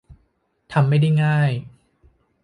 ทำไม่ได้ง่าย